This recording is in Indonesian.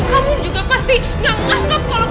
kamu juga pasti gak nganggep kalo putri masih hidup kan